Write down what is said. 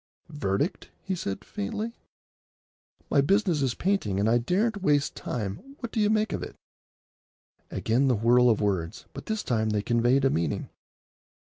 "Verdict?" he said faintly. "My business is painting, and I daren't waste time. What do you make of it?" Again the whirl of words, but this time they conveyed a meaning.